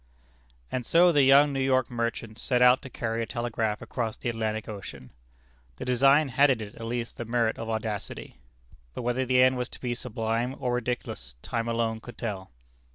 And so the young New York merchant set out to carry a telegraph across the Atlantic Ocean! The design had in it at least the merit of audacity. But whether the end was to be sublime or ridiculous time alone could tell.